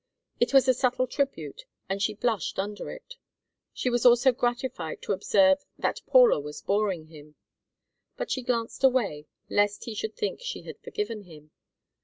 It was a subtle tribute, and she blushed under it. She was also gratified to observe that Paula was boring him. But she glanced away, lest he should think she had forgiven him.